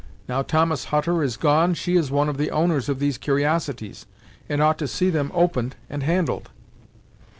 Now Thomas Hutter is gone, she is one of the owners of these cur'osities, and ought to see them opened and handled."